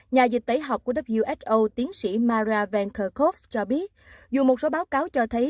nhà dịch tẩy học của who tiến sĩ mara van kerkhove cho biết dù một số báo cáo cho thấy